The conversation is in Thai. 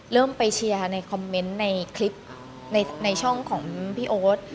ไปเชียร์ในคอมเมนต์ในคลิปในช่องของพี่โอ๊ต